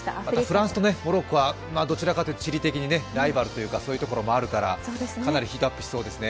フランスとモロッコは地理的にライバルというところもあるからかなりヒートアップしそうですね。